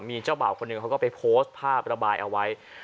มีเจ้าบ่าวคนหนึ่งเขาก็ไปโพสต์ภาพระบายเอาไว้